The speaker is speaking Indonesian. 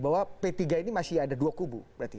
bahwa p tiga ini masih ada dua kubu berarti